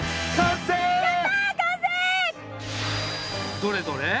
どれどれ